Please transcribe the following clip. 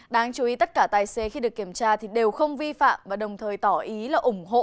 đáng chú ý tất cả tài xế khi được kiểm tra thì đều không vi phạm và đồng thời tỏ ý là ủng hộ